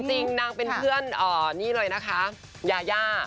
จริงนางเป็นเพื่อนนี่เลยนะคะยาย่า